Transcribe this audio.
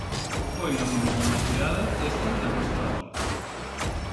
Foi unha fin de semana xeada esta na Costa da Morte.